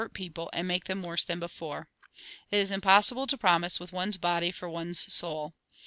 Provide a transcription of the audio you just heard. xii. 13. Jn. viii. 3. 4. 6. people, and make them worse than before. It is impossible to promise with one's body for one's soul.